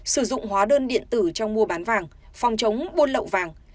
sử dụng hóa đơn điện tử trong mua bán vàng phòng chống buôn lậu vàng